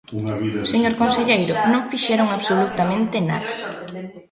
Señor conselleiro, non fixeron absolutamente nada.